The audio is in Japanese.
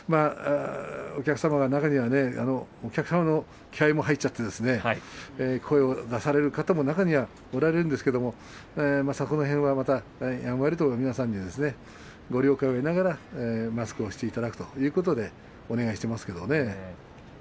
お客様の中にはお客様の気合いも入ってしまって声を出される方も中にはおられるんですけれどもその辺はやんわりと皆さんにご了承をいただきながらマスクをしていただくことをお願いしています。